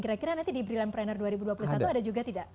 kira kira nanti di brilliant pranner dua ribu dua puluh satu ada juga tidak